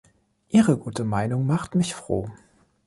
Ihre gute Meinung macht mich froh.